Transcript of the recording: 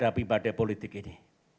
dan kebijakan pemerintah politik ini